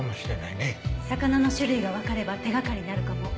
魚の種類がわかれば手掛かりになるかも。